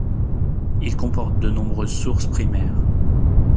Il comporte de nombreuses sources primaires.